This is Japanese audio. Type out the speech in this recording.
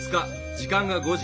時間が５時。